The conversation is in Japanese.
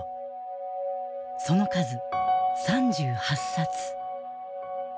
その数３８冊。